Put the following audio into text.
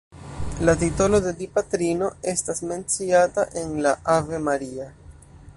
La titolo de Dipatrino estas menciata en la Ave Maria.